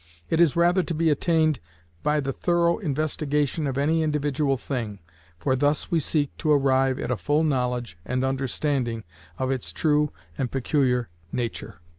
It is rather to be attained by the thorough investigation of any individual thing, for thus we seek to arrive at a full knowledge and understanding of its true and peculiar nature.